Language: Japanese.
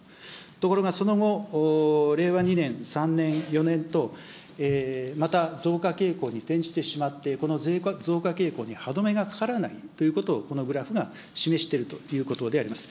ところがその後、令和２年、３年、４年と、また増加傾向に転じてしまって、この増加傾向に歯止めがかからないということを、このグラフが示しているということであります。